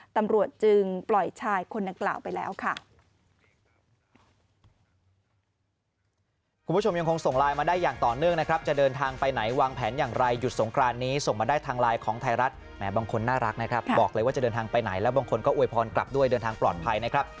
ตำรวจจึงปล่อยชายคนดังกล่าวไปแล้วค่ะ